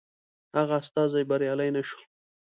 هغه استازی بریالی نه شو.